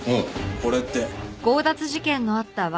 これって。